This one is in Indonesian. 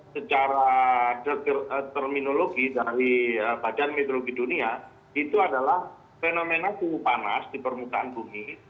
secara terminologi dari badan meteorologi dunia itu adalah fenomena suhu panas di permukaan bumi